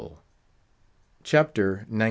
CHAPTER XIX.